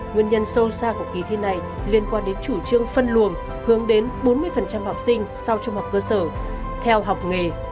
nguyên nhân sâu xa của kỳ thi này liên quan đến chủ trương phân luồng hướng đến bốn mươi học sinh sau trung học cơ sở theo học nghề